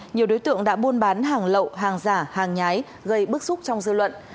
nhiều đối tượng đã buôn bán hàng lậu hàng giả hàng nhái gây bức xúc trong dư luận